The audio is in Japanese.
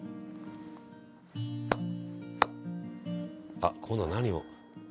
「あっ今度は何を」